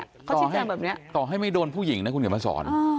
เขาชี้แจ้งแบบนี้ต่อให้ไม่โดนผู้หญิงนะคุณก็มาสอน